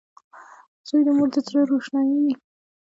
• زوی د مور د زړۀ روښنایي وي.